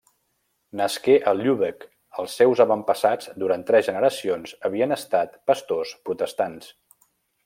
Nasqué a Lübeck, els seus avantpassats, durant tres generacions, havien estat pastors protestants.